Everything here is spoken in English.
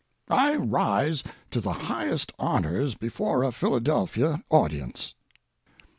I rise to the highest honors before a Philadelphia audience.